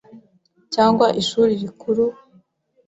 cyangwa ishuri rikuru;